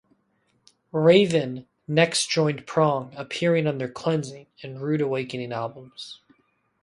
Raven next joined Prong, appearing on their "Cleansing" and "Rude Awakening" albums.